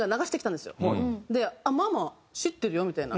「ママ知ってるよ」みたいな。